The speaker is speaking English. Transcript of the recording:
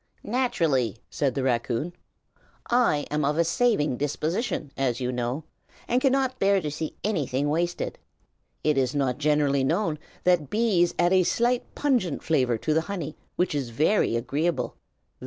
"Naturally," said the raccoon, "I am of a saving disposition, as you know, and cannot bear to see anything wasted. It is not generally known that bees add a slight pungent flavor to the honey, which is very agreeable.